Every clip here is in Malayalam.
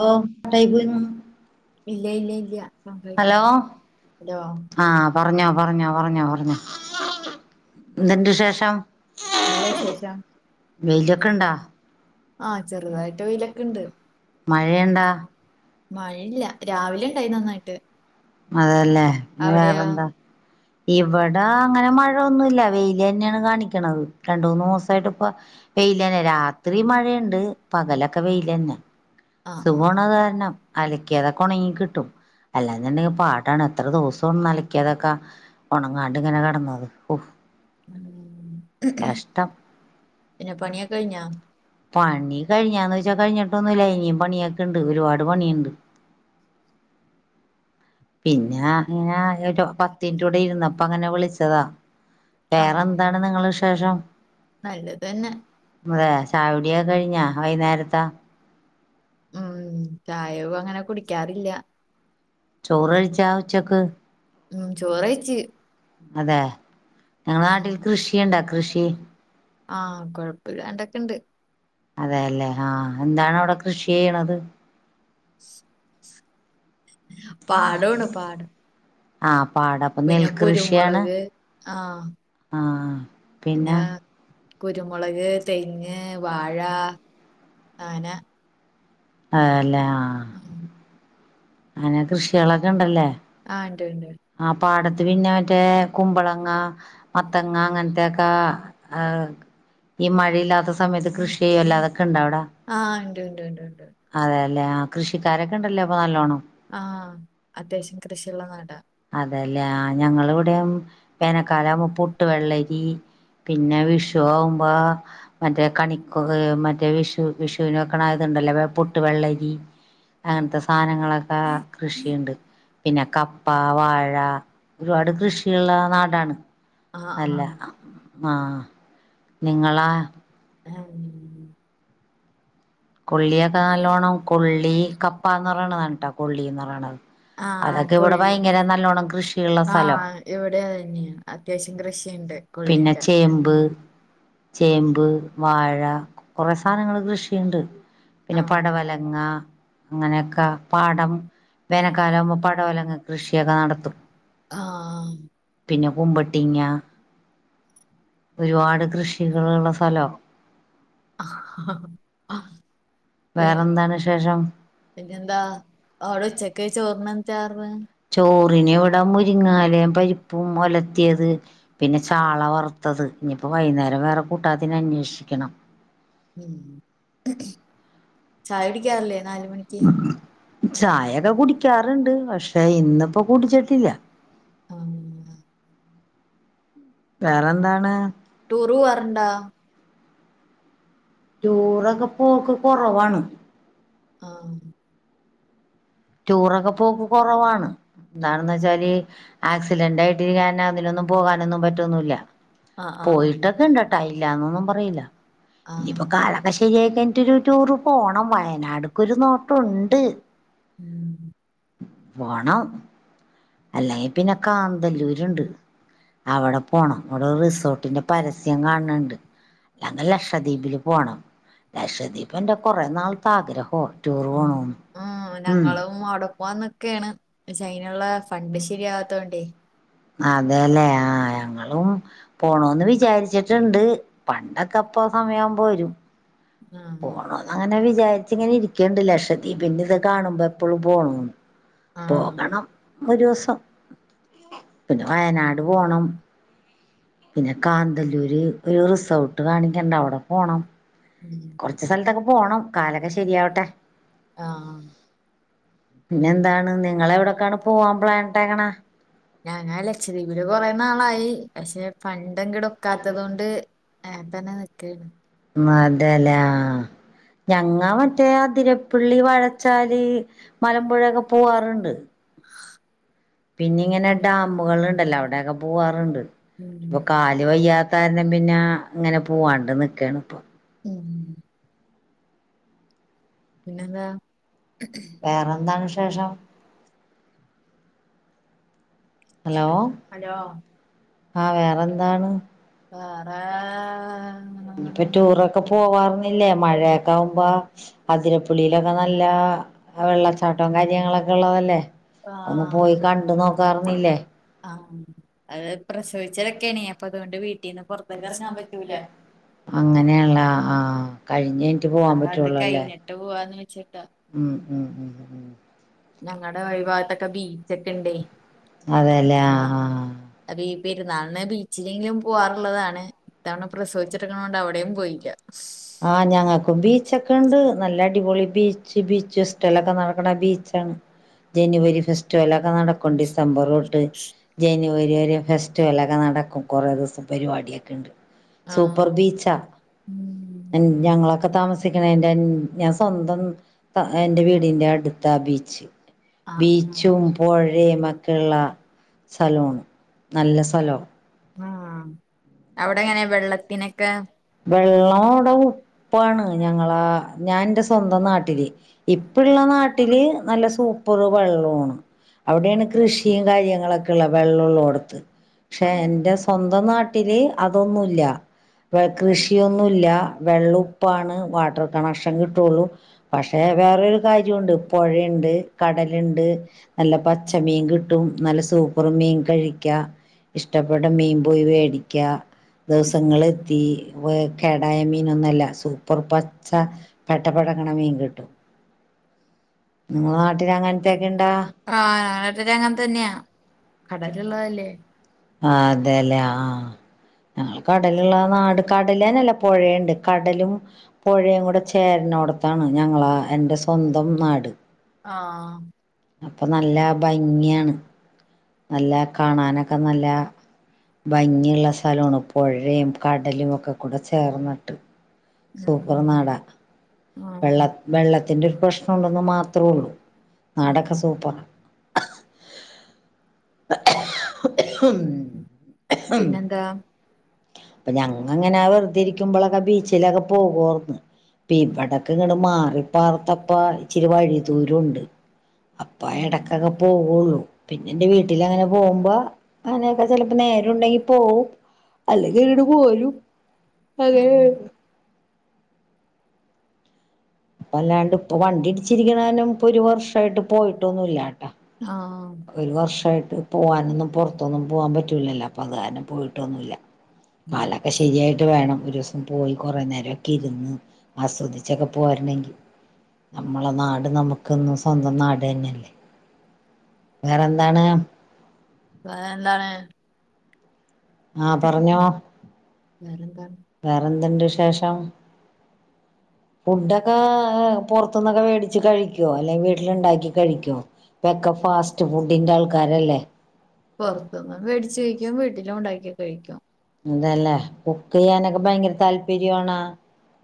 [unintelligible] ഇല്ല ഇല്ല ഇല്ല ഹലോ ഹലോ ആഹ് പറഞ്ഞോ പറഞ്ഞോ പറഞ്ഞോ ന്തുണ്ട് ഷേഷോ നല്ല ശേഷം [unintelligible] ആഹ് ചെറുതായിട്ട് വെയിലൊക്കെ ഇണ്ട്. മഴണ്ടോ മഴയില്ല രാവിലെണ്ടായി നന്നായിട്ട് അതെല്ലേ ന്നെ വേറെന്താ ഇവടെ അങ്ങനെ മഴ ഒന്നുല്ല വെയിലന്നെയാണ് കാണിക്കണത് രണ്ടുന്നൂസായിട്ട് ഇപ്പ വെയ്ലെന്നെ രാത്രി മഴയുണ്ട് പകലൊക്കെ വെയ്ലെന്നെ സുകോണൊ കാരണം അലക്ക്യതൊക്കെ ഉണങ്ങി കിട്ടും അല്ലാന്നുണ്ടെങ്കി പാടാണ് എത്ര ദിവസും അലക്കാതൊക്കെ ഉണങ്ങാണ്ട്ങ്ങനെ കിടന്നത് ഓഹ് കഷ്ടം പിന്നെ പണിയകെഴിഞ്ഞാ പണി കഴിഞ്ഞാന്ന് വെച്ചാ കഴിഞ്ഞിട്ടൊന്നുംല്ല ഇനിയും പണിയൊക്കെണ്ട് ഒരുപാട് പണിയ്ണ്ട് പിന്നെ ങ്ങ ഒരു പത്തിൻറ കൂടെ ഇരുന്നപ്പ അങ്ങനെ വിളിച്ചതാ വേറെ എന്താണ് നിങ്ങളെ വിശേഷം അതെ ചായുടിയെ കഴിഞ്ഞേ വൈന്നേരത്തേ ഉം ചായയും അങ്ങനെ കുടിക്കാറില്ല ചോറ് വൈയ്ച്ചോ ഉച്ചയ്ക്ക് ഉം ചോറ് വെയ്ച്ച് അതെ [unintelligible] കൃഷി ആഹ് കൊഴപ്പില്ല എണ്ടൊക്കെ ഇണ്ട് അതെല്ലേ ആഹ്എന്താണ് അവിടെ കൃഷി ചെയ്യ്ണത് പാടോണ പാടം പിന്നെ കുരുമുളക് ആഹ് ആഹ് പിന്നെ കുരുമുളക് തെങ്ങ് വാഴ അങ്ങനെ ആതെല്ലേ ആഹ് അങ്ങനെ കൃഷികളൊക്കെ ഇണ്ടല്ലേ ആ പാടത്ത് പിന്നെ മറ്റേ കുമ്പളങ്ങ മത്തങ്ങ അങ്ങനത്തെൊക്കെ ഏഹ് ഈ മഴയില്ലാത്ത സമയത്ത് കൃഷി ചെയ്യുവല്ലാ അതൊക്കെ ഇണ്ട അവിട അതെ അല്ലെ ആ കൃഷിക്കാരൊക്കെ ഉണ്ടല്ലോ അപ്പൊ നല്ലോണം ആഹ് അത്യാവശ്യം കൃഷിയുള്ള നാടാ അതല്ലേ ഞങ്ങളെ ഇവിടെ വേനക്കാലം മുപ്പൂട്ട് വെള്ളരി പിന്നെ വിഷു ആവുമ്പോ മറ്റേ കണിക്ക മറ്റേ വിഷു വിഷുവിന വെക്കണ ആത് ഇണ്ടല്ലോ പൊട്ട് വെള്ളരി അങ്ങനത്തെ സാധനങ്ങളൊക്കെ കൃഷിയുണ്ട് പിന്നെ ക കപ്പ വാഴ ഒരുപാട് കൃഷിയുള്ള നാടാണ് അല്ല ആഹ് ആ പുള്ളിയക്ക നാലപെറം പുള്ളി കപ്പ ന്നകണണ്ട ആഹ് കെളളി ആഹ് ഇവിടെ അത്. തന്നെയാ അത്യാവശ്യം കൃഷിയുണ്ട് പിന്നെ ചേമ്പ് ചേമ്പ് വാഴ കുറെ സാധനങ്ങള് കൃഷിയുണ്ട് പിന്നെ പടവലങ്ങ അങ്ങനെയൊക്കെ പാടം വേനൽക്കാലം ആകുബോ പടവലങ്ങ കൃഷിയൊക്കെ നടത്തും പിന്നെ കുമ്പട്ടിങ്ങ ഒരു പാട് കൃഷി [unintelligible] ഉണ്ടാക്കാൻ ഉണ്ടോ വേറെ എന്താ വിശേഷം പിന്നെ പിന്നെന്താ ചോറിന് ഇവിടെ മുരിങ്ങാ ഇലേ പരി രിപ്പും ഒലത്തിയത് പിന്നെ ചാള വറ് ത്തത് ഇനിയിപ്പോ വൈന്നേരം വേറെ കൂട്ടാത്തിന് അന്വേഷിക്കണം. ഉം ചായുടിക്കാറില്ലേ നാല്മണിക്ക്. ചായ കുടിക്കാറുണ്ട് [unintelligible] ആഹ്. വേറെന്താണ് ടൂർ പോവാറ് ഉണ്ടോ ടുറൊക്കെ പോക്ക് കൊറവാണ് ആഹ് ടൂറൊക്കെ പോക്ക് കൊറവാണ്. എന്താണെന്ന് വെച്ചാല് ആക്സിലന്റ് ആയിട്ട് കാരണം അതിനൊന്നും പോകാനൊന്നും പറ്റന്നില്ല. പോയിട്ടൊക്കെ ഇണ്ട്ട്ടെ ഇല്ലന്നൊന്നും പറയില്ല. ഇനിയിപ്പോ കാലക്കശ്ശേരിയായി കയിഞ്ഞിട്ട് ഒരു ടൂർ പോണം വയനാട്ക്കൊരു നോട്ടുണ്ട്. ഊം വാണം. [unintelligible] [unintelligible] ലക്ഷദ്വീപി പോണം [unintelligible] ആഹ് ഞങ്ങളും ആടു പോവാൻനിക്കെയാണ് പക്ഷേ അയിനുള്ള ഫണ്ട് ശരിയാവാത്തോണ്ടേ. അതെല്ലേ ആ ഞങ്ങളും. പോണോന്ന് വിചാരിച്ചിട്ടുണ്ട് പണ്ടൊക്കെ പ്പൊ സമയാമ്പോ വരും. പോണന്നങ്ങനെ വിചാരിച്ചിങ്ങനെ ഇരിക്കിണ്ട് ലക്ഷദ്വീപിന്റെത് കാണുമ്പപ്പളും പോണോന്ന്. പോകണം ഒരു ഓസം. വയനാട് പോണം. [inaudible] [unintelligible] പോണം കാലൊക്കെ ശെരിയാവട്ടെ ആഹ്. ഇനി എന്താണ് ഞങ്ങളെ എവിടെക്കാണു. പോവാൻ പ്ലേൻ ട്ടങ്ങനാ ഞങ്ങാ ലക്ഷദ്വീപില് കൊറെ നാളായി പക്ഷെ. ഫണ്ടങ്ങട് ഒക്കാത്തതോണ്ട് ഏൻതന്നെ നിക്കാണ്. മാതെ ലാ ഞങ്ങാ മറ്റേ ആതിരപ്പള്ളി വഴച്ചാല് മലമ്പുഴക്കെ പോവാറുണ്ട്. പിന്നിങ്ങനെ ഡാമുകളുണ്ടല്ല വ ടെ [unintelligible] ഊം അപ്പൊ കാല് വയ്യാത്താ യോണ്ട് പിന്ന [unintelligible] ഉം. പിന്നെന്താ? വേറെന്താ വിശേഷം? ഹലോ ഹലോ ആ വേറെന്താ? ആഹ് ആഹ് ടൂറൊക്കെ പോവാറില്ലേ മഴയക്കാവുമ്പൊ?. അതിരപള്ളിലൊക്കെ നല്ല വെള്ളച്ചാട്ടങ്ങളിലെ. ആഹ് [unintelligible] ആഹ് അഅ് പ്രസവിച്ചതൊക്കെയാണ് അപ്പൊ അതുകൊണ്ട് വീട്ടീന്ന് പൊറത്തേക്കെറങ്ങാൻ പറ്റൂല. അങ്ങനെയാണ് ലെ ആഹ് കഴിഞ്ഞേൻ ഞങ്ങ അത് കയിഞ്ഞിട്ട് പോവാന്ന് വെച്ചിട്ട. ഉം ഉം ഉം. [inaudible] അതെല്ലേ ആ ആഹ്. അപീ പെരുന്നാൾ നെ ബി. ച്ചിലെങ്കിലും പോവാറുള്ളതാണ് ഇത്തവണ പ്രസവിച്ചട്ക്കണോണ്ട് അവിടെയും പോയില്ല. [unintelligible] ച്ചൊക്കെണ്ട് നല്ലടിപൊളി ബീച്ച് ബീച്ച് സ്റ്റ്ലൊക്കെ നടക്കണ ബീച്ചാണ്. ജനുവരി ഫെസ്റ്റ് വെല്ലൊ ക്കനടക്കും ഡിസംബർ തൊട്ട് ജനുവരി വരെ ഫെസ്റ്റിവലൊക്കെ നടക്കും. കൊറെ ദിവസം പരിപാടിയൊക്കെയിണ്ട് സൂപ്പർ ബീച്ചാ. എൻ ഞങ്ങളൊക്കെ താമസിക്കണെന്റെ ൻ ഞാൻ സ്വന്തം അ എന്റെ വീടിന്റെ അട് ത്ത ബീച്ച്. ബീച്ചും പോഴേം മക്കെള്ള. സലൊണ് നല്ല സലം. ആഹ് അവിടെ എങ്ങനെ വെള്ളത്തിനൊക്കെ? വെള്ളം അവിടെ ഉപ്പാണ് ഞങ്ങളാ ഞാൻ ന്റെ സ്വന്തം നാട്ടില്. ഇപ്പള്ള നാട്ടില് നല്ല സൂപ്പറ് വെള്ളോണ്. അവിടെയാണ് കൃഷിയും കാര്യങ്ങളൊക്കെ ള്ള വെള്ളള്ളോടത്ത് പക്ഷെ എന്റെ സ്വന്തം നാ ട്ടില് അതൊന്നുല്ല. വ കൃഷിയൊന്നുല്ല വെള്ളം ഉപ്പാണ് വാട്ടർ കണക്ഷൻ കിട്ടുള്ളൂ. പക്ഷെ വേറൊരു കാര്യണ്ട് പുഴയുണ്ട്, കടലുണ്ട്, നല്ല പച്ച മീൻ കിട്ടും നല്ല സൂപ്പറ് മീൻ കഴിക്ക. ഇഷ്ടപ്പെട്ട മീൻ പോയി വേടി ക്ക്യാ ദിവസങ്ങള് എത്തി വ് കേടായ മീനൊന്നല്ല സൂപ്പർ പച്ച പെടപെടക്കണ മീൻ കിട്ടും. [unintelligible] ആഹ് [unintelligible] തന്നെയാ കടലുള്ളതല്ലേ. ആഹ് അതെല്ലേ ആഹ് ഞങ്ങൾ കടലുള്ള നാട് കടല് തന്നെയല്ല പുഴയുണ്ട് കടലും പുഴയും കൂടെ ചേരണോ- താണ് ഞങ്ങളാ എന്റെ സ്വന്തം നാട് ആഹ് അപ്പൊ നല്ല ഭംഗിയാണ്. നല്ല കാണാനൊക്കെ നല്ല ഭംഗിയുള്ള സ്ഥലണ്. പുഴയും, കടലുമൊക്കെ കൂടെ ചേർന്നിട്ട്. സൂപ്പർ നാടാ വെള്ള വെള്ളത്തിന്റെ ഒരു പ്രശ്നം ഉണ്ടെന്ന് മാത്ര ഉള്ളു. നാടൊക്കെ സൂപ്പറാ. പിന്നെന്താ? പ്പൊ ഞങ്ങങ്ങനെ വെറുതെ ഇരിക്കുമ്പോളൊക്കെ ബീച്ചിലൊക്കെ പോകോർന്ന് പ്പിവടക് ഇങ്ങട്ട് മാറി പാർത്തപ്പാ ഇച്ചിരി വഴിദൂരം ഉണ്ട്. അപ്പ എടക്കൊക്കെ പോവുള്ളു പിന്നെ ന്റെ വീട്ടിൽ അങ്ങനെ പോകുമ്പോ അങ്ങനെയൊക്കെ ചെലപ്പോ നേരം ഉണ്ടെങ്കി പോവും അല്ലെങ്കി ഇങ്ങട് പോരും അങ്ങനെ വണ്ടി ഇങ്ങനെ ഒരു വർഷമായിട്ട് പോയിട്ടൊന്നില്ല. ഒരു വർഷായിട്ട് പോവാനൊന്നും പുറത്തൊന്നും പോവാൻ പറ്റൂലല്ലോ അപ്പൊ അത് കാരണം പോയിട്ടൊന്നുല്ല. കാലൊക്കെ ശരിയായിട്ട് വേണം ഒരു ദിവസം പോയി കുറേ നേരം ഒക്കെ ഇരുന്ന് ആസ്വദി പോരുന്നെങ്കി നമ്മളെ നാട് നമുക്കെന്നും സ്വന്തം നാട് തന്നെയല്ലേ. വേറെ എന്താണ്? വേറെ എന്താണ്? ആഹ് പറഞ്ഞോ വേറെന്തുണ്ട് വിശേഷം? ഫുഡൊക്കെ പുറത്തുന്നൊക്കെ മേടിച്ച് കഴിക്കോ? അല്ലെ വീട്ടീ ഉണ്ടാക്കി കഴി പുറത്തുന്നു വേടിച്ച് കയി ക്കു വീട്ടിലും ഉണ്ടാക്കി കഴിക്കും.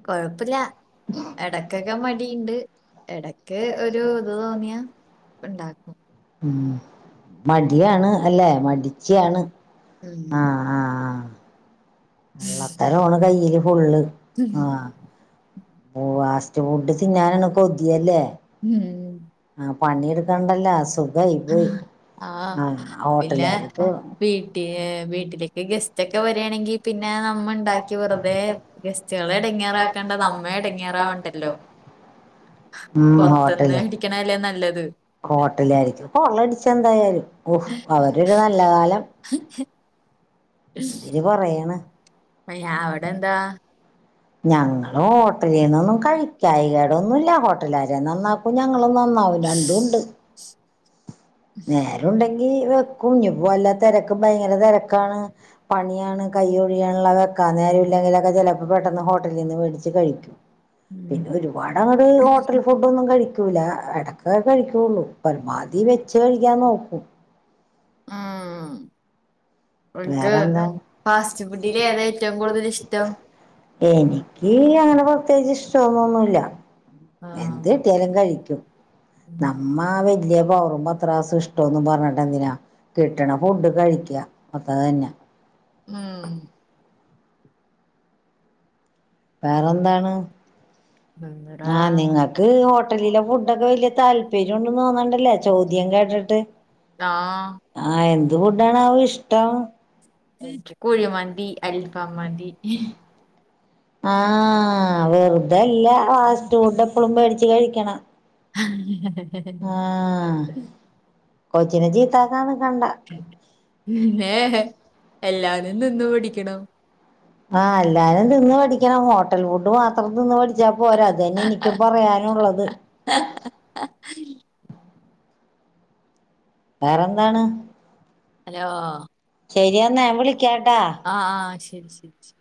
കൊഴപ്പില്ല. എടക്കൊക്കെ മടിണ്ട്. എടക്ക് ഒരു ഇത് തോന്നിയാ ഉണ്ടാക്കും. ഉം. മടിയാണ് അല്ലെ മടിച്യാണ്. ആഹ് ആഹ് ആഹ് കള്ളത്തരോണ് കയ്യില് ഫുള്ള്. ആഹ് തിന്നാന്കൊതിയല്ലേ ഉം പണിയെടുക്കണ്ടല്ല സുഖായി. ആഹ് പിന്നെ വീട്ടിയേ വീട്ടിലേക്ക് ഗസ്റ്റ് ഒക്കെ വരിയാണെങ്കി പിന്നെ നമ്മ ണ്ടാക്കി വെറുതെ ഗസ്റ്റുകളെ എടങ്ങേറാക്കണ്ട നമ്മേ എടങ്ങേറാവണ്ടല്ലോ. ഉം ഹോട്ടല് ഹോട്ടലാര്ക് കോളടിച്ച് എന്തായാലും ഔ അവരൊരു നല്ല കാലം. അവിടെ എന്താ? ഞങ്ങള് ഹോട്ടലിന്നൊന്നും കഴിക്കായി കേടൊന്നും ഇല്ല ഹോട്ടല് കാരെ നന്നാക് ക്കും ഞങ്ങളും നന്നാവും രണ്ടും ഉണ്ട്. നേരുണ്ടെങ്കി വെക്കും ഇഞ്ഞ്പ്പൊ വല്ല തെരക്കും ഭയങ്കര തെരക്കാണ് പണിയാണ് കയ്യൊഴിയാണ്ള്ള വെക്കാൻ നേരൂല്ലെങ്കിലൊക്കെ ചെലപ്പൊ പെട്ടെന്ന് ഹോട്ടലീന്ന് വേടിച്ച് കഴിക്കും പിന്നെ ഒരുപാടങ്ങട് ഹോട്ടൽ ഫുഡൊന്നും കഴിക്കൂല എടക്ക് കഴിക്കൊള്ളൂ പരമാവധി വെ ച്ച് കഴിക്കാൻ നോക്കും ആഹ് വേറെന്താ എനി ക്ക് അങ്ങനെ പ്രത്യേകിച്ചിഷ്ടംന്നൊന്നൂല്ല എന്ത് കിട്ടിയാലും കഴിക്കും നമ്മാ വലിയ പവറും പത്രാസും ഇഷ്ടംന്ന് പറഞ്ഞിട്ടെന്തിനാ കിട്ട്ണ ഫുഡ് കഴി ക്കാ ഉം വേറെന്താണ് ഇങ്ങക്ക് പിന്നെ ഹോട്ടലിലെ ഫുഡൊക്കെ വല്ല്യ താല്പര്യൊന്നും തോന്നാണ്ല്ലേ ചോദ്യം കേട്ട്ട്ട് ആഹ് എന്ത് ഫുഡ്ഡാണാവോ ഇഷ്ടം ഇൻക് കുഴിമന്തി അൽഫാം മന്തി ആഹ് വെറ്തല്ല ഫാസ്റ്റ് ഫുഡെപ്പളും വേടി ച്ച് കഴിക്ക്ണേ ആഹ് കൊച്ചിനെ ചീത്താക്കാൻ നിക്കണ്ട ഉം ഏഹെ എല്ലാരും തിന്ന് പഠിക്കണം ആഹ് എല്ലാരും തിന്ന് പഠിക്കണം ഹോട്ടൽ ഫുഡ് മാത്രം തിന്ന് പഠിച്ചാ പോരാ അത് തന്നെ എനിക്കും പറയാനുള്ളത് ഹലോ ശരിയെന്നാ ഞാൻ വിളിക്കാട്ടാ ആഹ് ആഹ് ശരി ശരി ശരി